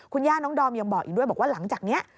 คุณย่าน้องดอมยังบอกอีกด้วยบอกว่าหลังจากนี้